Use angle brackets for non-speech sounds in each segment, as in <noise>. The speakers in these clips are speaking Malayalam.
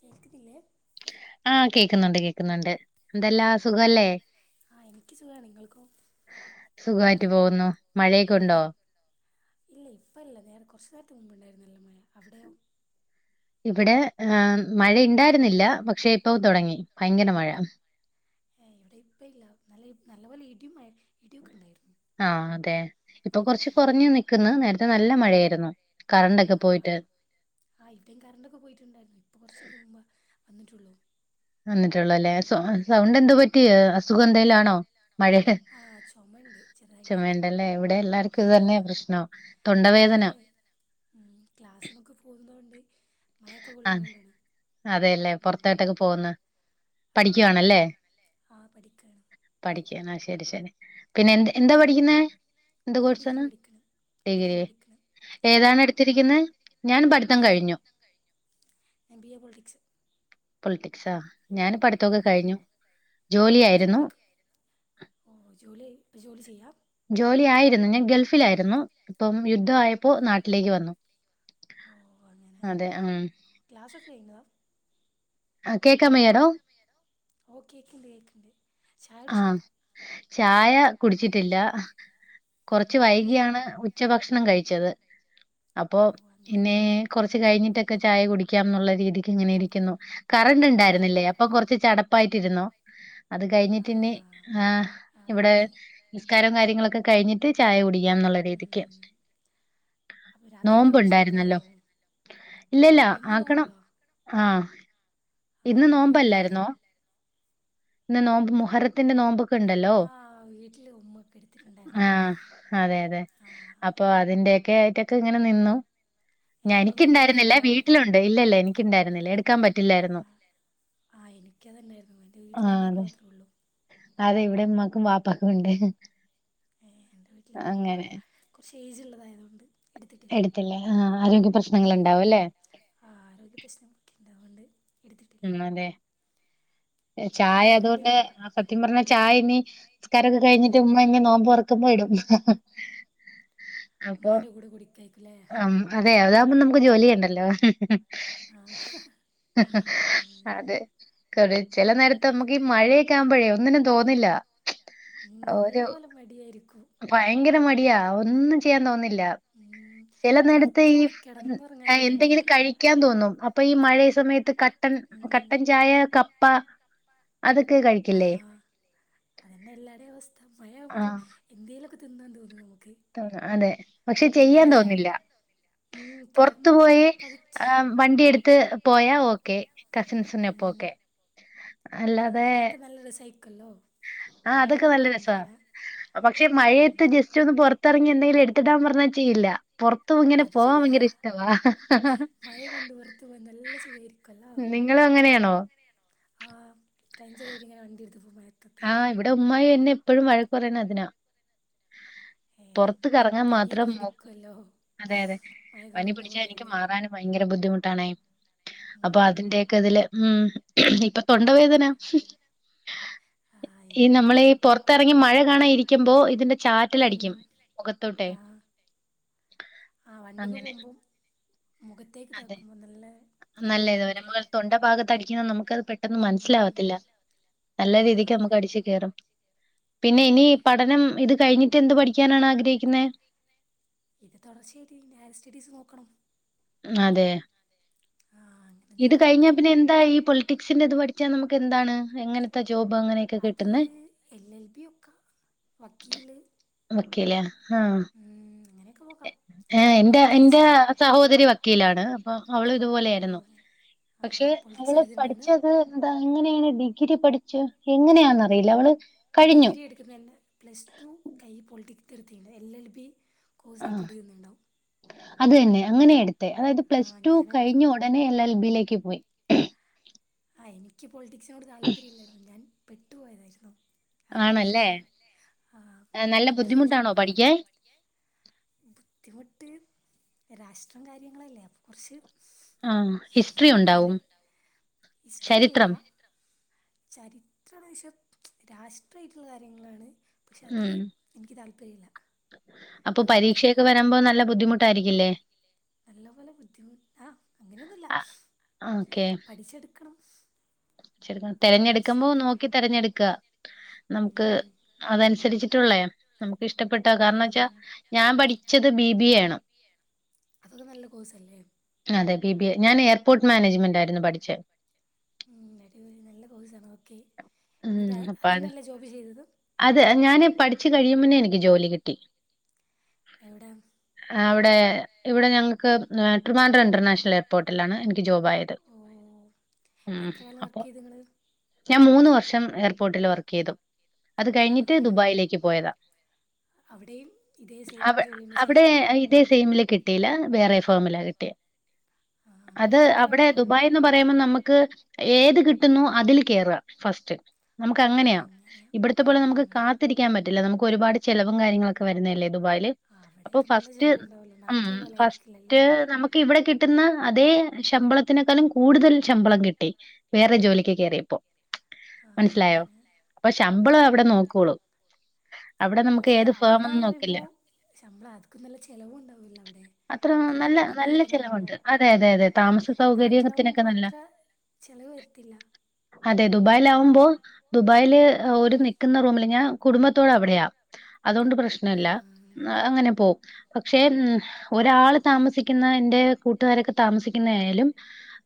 കേക്കത്തില്ലേ? ആഹ് കേക്കുന്നുണ്ട് കേക്കുന്നുണ്ട് എന്തെല്ലാം? ആഹ് എനിക്ക് സുഖാണ് നിങ്ങൾക്കോ? സുഖായിട്ട് പോകുന്നു മഴയൊക്കെ ഉണ്ടോ? ഇല്ല ഇപ്പ ഇല്ല ദേ കുറച്ച് നേരത്തെ മുമ്പുണ്ടായിരുന്നല്ലോ മഴ അവിടെയോ? ഇവിടെ ഏഹ് മഴ ഉണ്ടായിരുന്നില്ല പക്ഷേ ഇപ്പൊ തുടങ്ങി ഭയങ്കര മഴ ഏ ഇവിടെ ഇപ്പൊ ഇല്ല നല്ല നല്ല പോലെ ഇടിയും മ ഇടിയൊക്കെ ഉണ്ടായിരുന്നു ആഹ് അതെ ഇപ്പൊ ആ കുറച്ച് കുറഞ്ഞ് നിക്കുന്നു നേരത്തെ നല്ല മഴയാരുന്നു കറണ്ടൊക്കെ പോയിട്ട് ആഹ് ഇവിടെയും കറണ്ടൊക്കെ പോയിട്ടുണ്ടായിരുന്നു ഇപ്പൊ കുറച്ച് നേരം മുമ്പ് വന്നിട്ടുള്ളൂ വന്നിട്ടുള്ളൂ അല്ലേ സൗ സൗണ്ട് എന്തു പറ്റി അസുഖം എന്തേലും ആണോ? മഴേടെ ആ ചുമയുണ്ട് ചെറുതായിട്ട് ചുമയുണ്ടല്ലേ ഇവിടെ എല്ലാർക്കും ഇത് തന്നെയ പ്രശ്നം തൊണ്ടവേദന മയല്ലേ ഉം ക്ലാസ്സിനൊക്കെ പോകുന്നോണ്ട് മയൊക്കെ ആഹ് കൊള്ളുന്നൊണ്ടാണ് അതെല്ലേ ഉം പൊറത്തോട്ടൊക്കെ പോകുന്നു അത് കൊണ്ട് പഠിക്കുവാണല്ലേ പഠിക്കാണല്ലേ ആഹ് പഠിക്കാണ് പഠിക്കാണ് ആ ശരി ശരി പിന്നെ എന്ത് എന്താ പഠിക്കുന്നേ? എന്ത് ഞാൻ ഡിഗ്രി കോഴ്സാണ് പഠിക്കാണ് ഡിഗ്രി പഠിക്ക്ണ് നിങ്ങളോ? ഏതാണ് ഏതാണ് എടുത്തിരിക്കുന്നെ? എടുത്തിരിക്കുന്നെ? ഞാൻ പഠിത്തം ബിഎ കഴിഞ്ഞു. പഠിത്തം കഴിഞ്ഞു ഞാൻ ബി എ പൊളിറ്റിക്സ് പൊളിറ്റിക്സോ ഞാന് പഠിത്തൊക്കെ കഴിഞ്ഞു ജോലി ആയിരുന്നു ചായക്ക് ഓ ജോലി ആയി ഇപ്പൊ ജോലി ചെയ്യാ ജോലി ആയിരുന്നു ഞാൻ ഗൾഫിലായിരുന്നു ഇപ്പം യുദ്ധായപ്പൊ നാട്ടിലേക്ക് വന്നു ഓ അങ്ങനെ അതെ ഉം. ക്ലാസ്സൊക്കെ കഴിഞ്ഞതാ? ആ കേക്കാമയേ കേക്കാൻ വയ്യടോ ഓ കേക്ക്ണ്ട് കേക്കണ്ട് ഛായ കുടിച്ചോ? ഛായ കുടിച്ചിട്ടില്ല കുറച്ച് അതെന്തേ വൈകിയാണ് ഉച്ചഭക്ഷണം കഴിച്ചത് അപ്പോ ഓ അങ്ങനെ പിന്നെ കുറച്ച് കഴിഞ്ഞിട്ടൊക്കെ ഛായ കുടിക്കാം എന്നുള്ള രീതിക്ക് ഇങ്ങനെ ഇരിക്കുന്നു കറണ്ട് അപ്പരാ ഉണ്ടായിരുന്നില്ലേ? ഇപ്പൊ കൊറച്ച് ചടപ്പായിട്ടിരുന്നു അത് ആ കഴിഞ്ഞിട്ട് ഇനി ഏഹ് പൊ ആ ഇവിടെ ഓക്കെ നിസ്കാരം കാര്യങ്ങളൊക്കെ കഴിഞ്ഞിട്ട് ഛായ കുടിക്കാം എന്നുള്ള രീതിക്ക് അപ്പോൾ രാത്രിയത്തെ നോമ്പ് ഭക്ഷണമൊക്കെ ഉണ്ടായിരുന്നല്ലോ ആയോ ഇല്ലല്ല ഇന്ന് ആക്കണം നോമ്പാ ആഹ് ആ ഇന്ന് നോമ്പെടുത്തത് നോമ്പല്ലായിരുന്നോ? ഇന്ന് നോമ്പ് മുഹറത്തിന്റെ നോമ്പ് ആഹ് വീട്ടില് ഉമ്മൊക്കെ എടുത്തിട്ടുണ്ടായിരുന്നു ആഹ് അതെ അതെ ആ അപ്പൊ അതിന്റൊക്കെ ആയിട്ടൊക്കെ ഇങ്ങനെ നിന്നു. ഞാ ഇങ്ങൾ എനിക്കിണ്ടായിരുന്നില്ല നോമ്പെടുത്തായിരുന്നോ വീട്ടിലുണ്ട് ഇല്ലല്ല എനിക്ക്‌ ഇണ്ടായിരുന്നില്ല എടുക്കാൻ പറ്റില്ലായിരുന്നു. ആഹ് എനിക്കതന്നായിരുന്നു മൻ ആഹ അതെ അതെ ഇവിടെ ഉമ്മക്കും വാപ്പക്കും ഉണ്ട് ഏ എൻ്റെ വീട്ടിലെ വാപ്പ അങ്ങനെ കുറച്ച് ഏജ് ഉള്ളതായതുകൊണ്ട്. എടുത്തിട്ടില്ല എടുത്തില്ലേ ആ ആരോഗ്യ പ്രശ്നങ്ങൾ ഉം ഉണ്ടാവും അല്ലേ. ആ ആരോഗ്യ പ്രശ്നം ഉണ്ടാവോണ്ട്. ഉ അതെ എ എന്താ ഛായ അതോണ്ട് പരിപാടി അമ്. സത്യം പറഞ്ഞ ഛായ ഇനി നിസ്കാരൊക്കെ കഴിഞ്ഞിട്ട് ഉമ്മ ഇങ്ങ് നോമ്പ് തുറക്കുമ്പോ ഇടും. ഉമ്മാന്റെ കൂടെ കുടിക്കഴിക്കുംലേ ഉം അതെ അതാവുമ്പം നമുക്ക് ജോലി ചെയണ്ടല്ലോ? ആഹ് അതെ ക ചില നേരത്തെ നമുക്ക് ഈ മഴയൊക്കെ ആകവുമ്പോഴേ ഒന്നിനും തോന്നില്ല ഉം നല്ല ഒരു പോലെ മടിയായിരിക്കും ഭയങ്കര മടിയാ ഒന്നും ചെയ്യാൻ തോന്നില്ല. ഉം ചില നേരത്ത് പതച്ചു ഈ മൂടി കിടന്നുറങ്ങാനാ തോന്നുക എന്തെങ്കിലും കഴിക്കാൻ തോന്നും അപ്പൊ ഈ മഴയ സമയത്ത് കട്ടൻ. ഉം കട്ടൻ ചായ കപ്പ അത്ക്ക ആഹ് അതന്നെ എല്ലാടെയും അവസ്ഥ മഴയാവുമ്പോ ആഹ് എന്തേലൊക്കെ തിന്നാൻ തോന്നുന്നു നമുക്ക്. തോന്നും അതെ പക്ഷെ പുറത്ത് ചെയ്യാൻ പോയി ചാ തോന്നില്ല ഉം പുറത്തു കിടന്നുറ പോയി പതുച്ച് ആഹ് വണ്ടി എടുത്ത് പോയാ ഓക്കെ കസിൻസിനൊപ്പം ഉം ഓക്കെ ആഹ് അതൊക്കെ നല്ലരസയിരിക്കലോ ആഹ് ഞങ്ങളൊക്കെ അതൊക്കെ നല്ല പോവാറുണ്ട് രസാ. ഇങ്ങനെ. പക്ഷെ മഴയത്ത് ജസ്റ്റ് ഒന്ന് പുറത്തിറങ്ങി എന്തെങ്കിലും എടുത്തിടാൻ പറഞ്ഞാൽ ചെയ്യില്ല പോ തും ഇങ്ങനെ അത് പോവാൻ ശരിയാ ഭയങ്കര ഇഷ്ടവാ മഴ കൊണ്ട് പുറത്ത് പോവാൻ നല്ല സുഖായിരിക്കുവല്ലോ നിങ്ങളും അങ്ങനെയാണോ ആഹ് ടഞ്ചര് ആയിട്ട് ഇങ്ങനെ വണ്ടി എടുത്ത് പോ മ ആഹ് ഇവിടെ ഉമ്മായും എന്നെ എപ്പോഴും വഴക്ക് പറയ്ണ അതിനാ. ഏഹ് പുറത്ത് കറങ്ങാൻ പനിയൊക്കെ മാത്രം നോക്ക് പിടിക്കുവല്ലോ അതെ അതെ മഴയൊക്കെ പനി കൊണ്ട് പിടിച്ചാ എനിക്ക് പോയാല് മാറൻ ഭയങ്കര ബുദ്ധിമുട്ടാണേ അപ്പൊ ഉം അതിന്റെയൊക്കെ ഇതില് ഉം ഇപ്പൊ തൊണ്ടവേദന ആഹ് ഈ നമ്മൾ എനിക്ക് ഈ പുറത്തിറങ്ങി മഴ കാണാ ഇരിക്കുമ്പോ ഇതിന്റെ ചാറ്റലടിക്കും. ഉം മുഖത്തോട്ടെ ആഹ് ആഹ് വണ്ടിമ്മ അങ്ങനെ പോകുമ്പോം മുഖത് അതെ നല്ല ഇത് വരെ തൊണ്ട ഭാഗത്ത് അടിക്കുന്ന നമുക്ക്ത് പെട്ടന്ന് ഉം മനസ്സിലാവത്തില്ല. നല്ല രീതിക്ക് ആഹ് നമുക്ക് അടിച് കേറും പിന്നെ ഇനി പഠനം ഇത് കഴിഞ്ഞിട്ട് എന്ത് പഠിക്കാനാണ് ആഗ്രഹിക്കുന്നെ ഇത് തുടർച്ച ആയിട്ട് ഇതിൻ്റെ ഹയർസ്റ്റഡീസ് നോക്കണം അതെ ആഹ് ഇത് എന്തെങ്കിലുമൊക്കെ കഴിഞ്ഞാ നോക്കണം പിന്നെ എന്താ കഴിഞ്ഞാൽ ഈ പിന്നെ എന്താ ഈ പൊളിറ്റിക്സിന്റെ ഇത് പഠിച്ചാ പൊളിറ്റിക്സിന്റെ നമു എന്താണ് എങ്ങനത്തെ പഠിച്ചാൽ നമുക്ക് എന്താണ് അങ്ങനത്തെ ജോബ് അങ്ങനെ അത് എൽ എൽ ബി ഒക്കെ വക്കീല് വക്കില്ല ആഹ് ഉം അങ്ങനെയൊക്കെ പോകാം ഏഹ് എന്റെ പിന്നെ എന്റെ ടീച്ചിങ് സഹോദരി വക്കീലാണ് അപ്പൊ അവളും ഓ ഇതുപോലെ ആയിരുന്നു. ആ പക്ഷെ പൊളിറ്റിക്സ് അവള് എടുത്തിട്ടുണ്ടായിരുന്നു പഠിച്ചത് എന്താ എങ്ങനെയാണ് ഡിഗ്രി പഠിച്ചു എങ്ങനെയാന്ന്റിയില്ല അവള് കഴിഞ്ഞു ഡിഗ്രി എടുക്കുന്നുട് പ്ലസ് ടു കൈ പൊളിറ്റിക്ടുത്തിട്ടുണ്ട് എൽ എൽ ബി കോഴ്സായിട്ട് ആഹ് എടുക്കുന്നുണ്ടാവും അത് തന്നെ അങ്ങനെയ എടുത്തെ അതായത് പ്ലസ് ആ ടു ഞാൻ കഴിഞ്ഞ ഒ തന്നെ എ ൽ ബി ലേക്ക് പോയി ആഹ് എനിക്ക് പോളിറ്റിക്സിനോട് താല്പര്യം ഇല്ലായിരുന്നു ഞാൻ പെട്ടു പോയതായിരുന്നു ആഹ് ഒരു ആണല്ലേ കോളേജില് ആഹ് ഏഹ് നല്ല എനിക്ക് ബുദ്ധിമുട്ടാണോ പഠിക്കാൻ ബുദ്ധിമുട്ട് രാഷ്ട്രം കാര്യങ്ങളല്ലേ അപ്പോ കുറച്ച് ആഹ് ഹിസ്റ്ററി എനിക്ക് അതില് ഉണ്ടാവും ഹിസ്റ്ററി ഇല്ല ചരിത്രം ചരിത്രവശം രാഷ്ട്രീമായിട്ടുള്ള കാര്യങ്ങളാണ് പക്ഷെ അതി ല് ഉം എനിക്ക് താല്പര്യമില്ല അപ്പൊ അത് പഠിക്കാൻ പരീക്ഷയൊക്കെ വരാമ്പോ നല്ല ബുദ്ധിമുട്ടായിരിക്കില്ലേ നല്ലപോലെ ബുദ്ധിമു ആ അങ്ങനെയൊന്നുല്ല ഓക്കെ പഠിച്ചെടുക്കണം അപ്പോൾ തെരഞ്ഞെടുക്കുമ്പോ പ്രശ്നമില്ല നോക്കി തെരഞ്ഞെടുക്ക നമുക്ക് ഉം, അതനുസരിച്ചിട്ടുള്ളേ നമുക്ക് ഇഷ്ടപ്പെട്ടാ കാരണം വച്ചാ ഞാൻ പഠിച്ചത് ബി ബി എ ണ് അതൊക്കെ നല്ല കോഴ്സല്ലേ അതെ ബി ബി എ ഞാൻ എയർപോർട്ട് മാനേജ്മെന്റായിയിരുന്നു പഠിച്ചേ ഉം അടിപൊളി നല്ല കോഴ്സാണ് ഓക്കേ എന്നിട്ട് ഉം അപ്പൊ അത് അതന്നല്ലെ ജോബ് ചെയ്തത് അത് ഞാന് പഠിച്ചു കഴിയുംമുന്നേ എനിക്ക് ജോലി കിട്ടി എവിടെ അവിടെ ഇവിടെ ഞങ്ങക്ക് ട്രിവാൻഡ്രം ഇന്റർനാഷണൽ എയർപോർട്ടിലാണ് ജോബായത് ഓ ഉം എത്ര കാലം അപ്പോ വർക്ക് ചെയ്ത് നിങ്ങൾ ഞാൻ മൂന്ന് വർഷം എയർപോർട്ടില് വർക്ക് ചെയ്തു അത് കഴിഞ്ഞിട്ട് ദുബായിലേക്ക് പോയതാ അവിടെയും ഇതേ സെയിം ജോലി തന്നെ ചെയ്ത് അവിടെ ഇതേ സെയിമില് കി ട്ടിയില്ല വേറെ ഫോമില കിട്ടിയ ആ അത് അങ്ങെത്ര അവിടെ ദുബായ് എന്ന് പറയുമ്പോ നമുക്ക് ഏത് കിട്ടുന്നു അതിൽ കേറാ ഫസ്റ്റ് നമുക്ക് ആ അങ്ങനെയാ അങ്ങനെ ഇവിടത്തെ പോലെ നമുക്ക് ഉം കാത്തിരിക്കാൻ പറ്റില്ല നമുക്ക് ഒരുപാട് ചെലവും കാര്യങ്ങളൊക്കെ വരുന്നതല്ലേ ദുബായില് ആ അപ്പൊ അവിടെയൊക്കെ നല്ല ഫസ്റ്റ് ചെലവുണ്ടാവല്ലോ ഉം നാട്ടിലെ പോലെ ആയിരിക്കില്ലല്ലോ ഫസ്റ്റ് നമുക്ക് ഇക്ക് ഇവിടെ കിട്ടുന്ന അതേ ശമ്പളത്തിനേക്കാളും കൂടുതൽ ശമ്പളം കിട്ടി വേറെ ജോലിക്ക് കേറിയപ്പോ ആ മനസ്സിലായോ അങ്ങനെ അപ്പൊ ശമ്പളെ അവിടെ നോക്കോളൂ അവിടെ നമുക്ക് പക്ഷെ ഏത് ഫോമ് അവിടെ ഒന്നും നോക്കില്ല പറയുമ്പോൾ ശമ്പളം <unintelligible> നല്ല ചെലവും ഉണ്ടാവോല അവിടെ അത്ര ഗൾഫ് നല്ല നല്ല ദുബായൊക്കെന്ന് ചെലവുണ്ട് പറയുമ്പോൾ അതെ അതെ അതെ താമസ സൗകര്യത്തിനൊക്കെ നാട്ടിലാവുമ്പോൾ നല്ല അത്ര ചെലവ് വരത്തില്ല അതെ ദുബായിൽ ആകുമ്പോ ദുബായില് ഒരു നൽക്കുന്ന റൂമില് ഞാൻ കുടുംബത്തോട അവിടെയാ അതോണ്ട് പ്രശ്നല്ല അങ്ങനെ പോവും പക്ഷെ ഒരാള് താമസിക്കുന്ന എന്റെ കൂട്ടുകാരൊക്കെ താമസിക്കുന്ന ആയാലും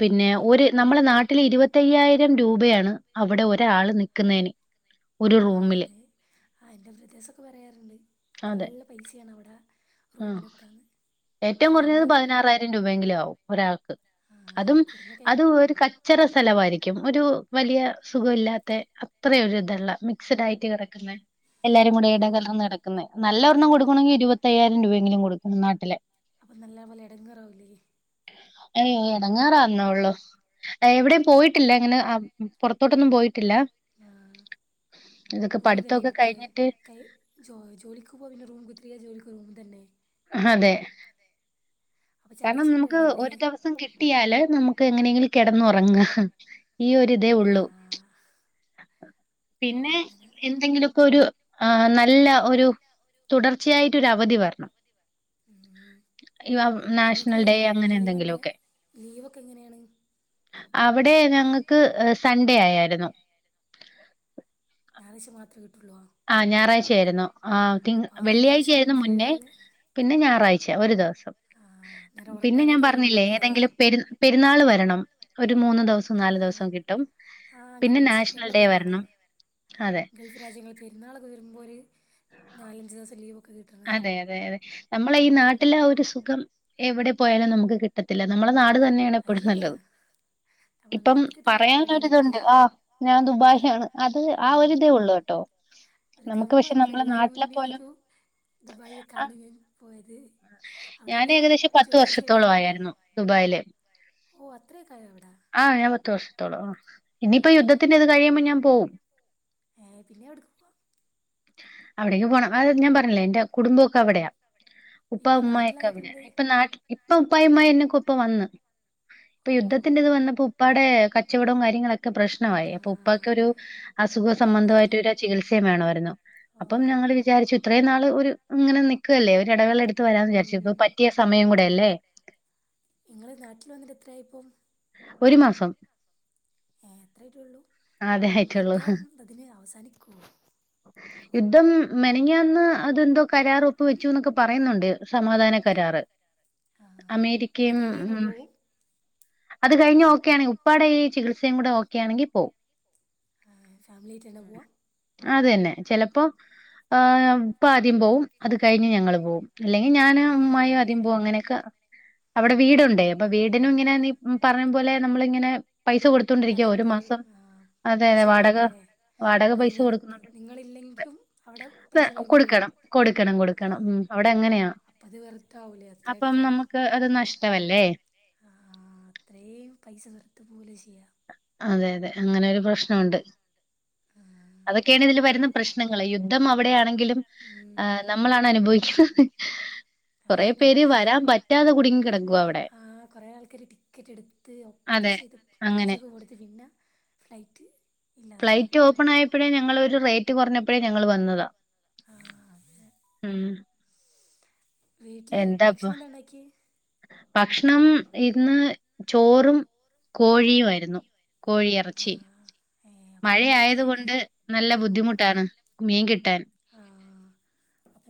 പിന്നെ ഒരു നമ്മളെ നാട്ടില് ഇരുപത്തയ്യായിരം രൂപയാണ് അവിടെ ഒ ഒരാള് നിക്കുന്നേന് ഒരു ആ റൂമില് അതെ ആ എന്റെ ബ്രതേഴ്സൊക്കെ പറയാറുണ്ട് അതെ നല്ല പൈസയാണ് അവിടെ ആഹ് റൂമിനൊക്കന്ന് ഫാമിലിയില <unintelligible> രൂപെങ്കിലും ആകും ഒരാൾക്ക് അതും ആ അത് കുടുംബക്കാരും ഒര് ചെറ്യ സ്ഥലവായിരിക്കും ഒരു വലിയ സുഖല്ലാത്ത അത്രൊ ഇതുള്ള മിക്സ്ഡ് ആയിട്ട് കിടക്കുന്ന എല്ലാരും കൂടെ ഇട കലർന്ന് കിടക്കന്ന ഉം നല്ലവരെണ്ണം അപ്പൊ കൊടുക്കണെങ്കിൽ ഇരുപത്തയായിരം രൂപയെങ്കിലും കൊടുക്കണം നാട്ടില് അപ്പം നല്ല പോല എടങ്ങറാവിലേ ഏയ് എടങ്ങറാണുള്ളു എവിടെം പോയിട്ടില്ല ഇങ്ങനെ പൊറത്തോട്ടൊന്നും പോയിട്ടില്ല ഇതൊക്കെ റൂമ് തന്നെ പഠിത്തമൊക്കെ ഇരിക്കേ കഴിഞ്ഞിട്ട് കയ് ജോലിക്ക് പോ <unintelligible> അതെ അപ്പൊ കാരണം നമുക്ക് ചടച്ചിട്ടുണ്ടായിരുന്നില്ലേ ഒരു ദിവ സം കിട്ടിയാല് ദിവസം നമുക്ക് എങ്ങനെയെങ്കിലും കിടന്നുറങ്ങാം ഈ ഒരു ഇതേ ആ ഉള്ളൂ ഓ പിന്നെ അങ്ങനെ എന്തെങ്കിലുക്കെ ഒരു ആ നല്ല ഒരു തുടർച്ചയായിട്ട് ഒരു അവധി വരണം ഉം നാഷണൽ ഇങ്ങക്ക് ഡേ അങ്ങനെ ലീവെങ്ങ എന്തെങ്കിലും ഒക്കെ ലീവൊക്കെ എങ്ങനെയാണ്? അവിടെ ഞങ്ങൾക്ക് സൺഡേ ആയായിരുന്നു. ഞായറാഴ്‌ച മാത്രേ കിട്ടുള്ളോ ആഹ് ഞായറാഴ്ചയായിരുന്നു ആ തിങ് ആ ഒരു ദിവസം വെള്ളിയാഴ്ചയായിരുന്നു മുന്നേ ഫുള്ള് പിന്നെ ഞായറാഴ്ച ഒരു ദിവസം ആ അന്നേരം പിന്നെ ഉറങ്ങാനേ ഞാൻ കഴിയുള്ളൂ പറഞ്ഞില്ലേ അല്ലേ ഏതെങ്കിലും പെരു പെരുന്നാള് വരണം ഒരു മൂന്ന് ദിവസവും നാല് ദിവസവും കിട്ടും. ആഹ് അങ്ങനെ പിന്നെ നാഷണൽ ഡേ ഇൻസ്റ്റഗ്രാമിലൊക്കെ കാണാം. വരണം അതെ ഗൾഫ് രാജ്യങ്ങിൽ പെരുന്നാളൊക്കെ വരുമ്പോ ഒരു നാലഞ്ച് ദിവസം ലീവും അതെ അതെ അതെ നമ്മളെ ഈ നാട്ടിൽ ആ ഒരു സുഖം എവിടെ പോയാലും നമുക്ക് കിട് റ്റത്തില്ല നമ്മള നാട് തന്നെയാണ് അത് എപ്പോഴും ശരിയാ നല്ലത് നമ്മുടെ ഇപ്പം നാട് വിട്ട് പോയാ കിട്ടത്തില്ല. നമ്മുടെ നാട്ടിൽ കിട്ടുന്ന അത്ര എവിടെയും കിട്ടില്ല പറയാനൊരിതുണ്ട് ആഹ് ഞാൻ ദുബായ് ആണ് അത് ആ ഉം ഒരി ഇതേ ഉള്ളു കേട്ടോ ഒരു നമുക്ക് ഗമ്മ പക്ഷെ നമ്മളെ നാട്ടിലെ പോലും ദുബായായി കാണു ഞാൻ പോയത് ഞാന് അവിടെയാണ് ഏകദേശം പത്ത് ജോലി വർഷത്തോളം ആയിരുന്നു ദുബായില്. ഓഹ് അത്രയേക്കായോ അവിട. ആഹ് ഞാൻ പത്ത് വർഷത്തോളം ആഹ് ഇനിയിപ്പോ യുദ്ധത്തിന്റെത് കഴിയുമ്പോ ഞാൻ പോവും. ഏയ് പിന്നെ അവിടുക്കും അവിടേക്ക് പോണം അത് ഞാൻ പറഞ്ഞില്ലേ എന്റെ കുടുമ്പോക്കെ അവിടെയാ ഉപ്പാ ഇപ്പം ഉമ്മായൊക്കെ അവിടെയാ നാട്ടിലാരൊക്കെയുണ്ട് ഇപ്പൊ നാട്ടി ഇപ്പ ഉപ്പായ ഉമായിന്നെക്ക ഇപ്പം വന്ന് ഇപ്പൊ യുദ്ധത്തിന്റെ ഇത് വന്നപ്പോ ഉപ്പാടെ കച്ചവടവും കാര്യങ്ങളൊക്കെ പ്രശ്നമായി അപ്പൊ ആഹ് ഉപ്പക്കെരു അസുഖ അങ്ങനെ സംബന്ധമായിട്ട് ഒരു ചികിത്സയും വേണമായിരുന്നു ഓ അപ്പം ഞങ്ങൾ വിചാരിച്ചു ഇത്രയും നാൾ ഒരു ഇങ്ങനെ നിക്കുവല്ലേ ഒരു ഇടവെള എടു ത്ത് വരാന്ന് വിചാരിച്ചു ഉം ഇ പറ്റിയ സമയം കൂടെയല്ലേ? നിങ്ങള് നാട്ടിൽ വന്നിട്ട് എത്രയായിപ്പം? ഒരു മാസം അത്രേ ആയിട്ടുള്ളൂ അതേ ആയിട്ടുള്ളൂ യുദ്ധം അതിനെ അവസാനിക്കോ? യുദ്ധം മെനങ്ങാന്ന് അതെന്തോ കരാർ ഒപ്പ് വെച്ചുന്നൊക്കെ പറയുന്നുണ്ട് സമാധാന കരാറ്. ആഹ് അത് അമേരിക്കയും കഴിഞ്ഞ് ഞങ്ങള് ഉം പോവും അത് കഴിഞ്ഞ ഓക്കെ ആണ് ഉപ്പാടെ ഈ ചികിസയുംകൂടെ ഓക്കെയാണെങ്കി പോവും. ഫാമിലിയിട്ടന്ന പോവ? അതന്നെ ചെലപ്പോ. ആഹ് ഇപ്പ ആദ്യം പോവും അത് കഴിഞ്ഞ് ഞങ്ങള് പോവും അല്ലെങ്കിൽ ഞാനും അമ്മായും ആദ്യം പോവും അങ്ങനെയൊക്കെ അവിടെ വീടുണ്ട് അപ്പൊ വീടിനും ഇങ്ങനെ നി പറഞ്ഞ പോലെ നമ്മളിങ്ങനെ. പൈസ ആഹ് കൊടുത്തോണ്ടിരിക്കുവ ഒരു റെന്റ് മാസം ആഹ് അതെ പൈസ അതെ വാടക കൊടുക്കണംല്ലേ വാടക അപ്പ അത് പൈസ വെർത് കൊടുക്കുന്നുണ്ട് നിങ്ങളില്ലെങ്കിലും അവിടെ ഇത് പൈസ പേയ്മെന്റ് ചെയ്യും കൊടുക്കണം കൊടുക്കണം ഉം അവിടെ അങ്ങനെയാ ആഹ് പതി വെർതാവില്ലേ അത്രയൊക്കെ ക്ക് അത് നഷ്ടല്ലേ ആ അത്രയും പൈസ വെറുത പോവല്ലേ ചെയ്യാ അതെ അതെ അങ്ങനെ ഒരു പ്രശ്നോണ്ട് അതൊക്കെയാണ് ഇതില് വരുന്ന പ്രശ്നങ്ങളേ യുദ്ധം അവിടെയാണെങ്കിലും ആഹ് നമ്മളാണ് അനുഭവിക്കുന്നത് കൊറേ അതന്നെ കുറെ പേര് വരാൻ പറ്റാതെ പറ്റതെ കിടക്കുവ കുടുങ്ങി അവിടെ കിടക്കുന്നു ആ കൊറെ ആൾക്കാര് ടിക്കറ്റ് എടുത്ത് ക്കെ അതെ ചെയ്ത് അങ്ങനെ പൈസക്കെ കൊടുത്ത് പിന്ന ഫ്ളൈറ്റ് ഇല്ലതാവ ആഹ് പ്പയേ ഞങ്ങളൊരു റേറ്റ് കൊറഞ്ഞപ്പഴേ ഞങ്ങൾ വന്നതാ ആ അതെ ഉം വീട്ടില് എന്താപ്പ ഭക്ഷണം എന്താണ്ടാക്ക്യേ ഭക്ഷണം ഇന്ന് ചോറും കോഴിയുമായിരുന്നു ആ കോഴിയിറച്ചി ഏ അപ്പൊ ഉമ്മാക്ക് മഴയായത് കൊണ്ട് നല്ല നോ ബുദ്ധിമുട്ടാണ് മീൻ കിട്ടാൻ. ആ അപ്പൊ